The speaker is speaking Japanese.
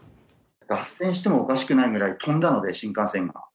脱線してもおかしくないぐらい跳んだので、新幹線が。